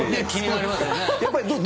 気になりますよね？